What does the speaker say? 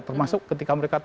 termasuk ketika mereka menang